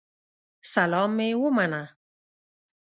سلام مي ومنه